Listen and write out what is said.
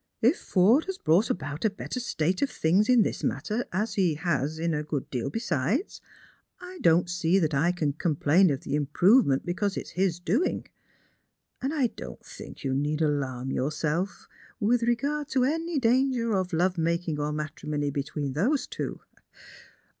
If Eorde has brought about a better state of things in this matter, as he has in a good deal besides, I don't see that I can complain of the improvement because it is his doing. And I don't think you need alarm yourself with regard to any danger Strangers and Pilf/rims. 81 of love making or matrimony between those two.